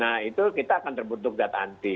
nah itu kita akan terbentuk data anti